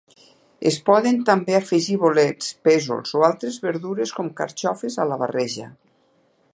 Es poden també afegir bolets, pèsols o altres verdures, com carxofes, a la barreja.